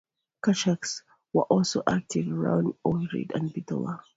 Kachaks were also active around Ohrid and Bitola.